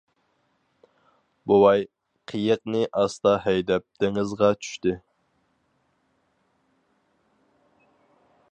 بوۋاي، قېيىقنى ئاستا ھەيدەپ دېڭىزغا چۈشتى.